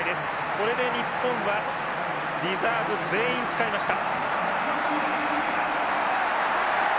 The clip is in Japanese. これで日本はリザーブ全員使いました。